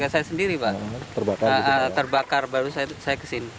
saya sendiri pak terbakar baru saya kesini